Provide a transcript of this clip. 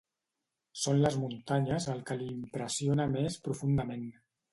Són les muntanyes el que li impressiona més profundament.